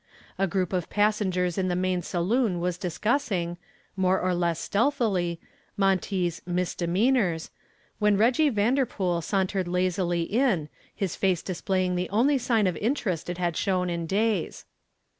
A group of passengers in the main saloon was discussing, more or less stealthily, Monty's "misdemeanors," when Reggy Vanderpool sauntered lazily in, his face displaying the only sign of interest it had shown in days.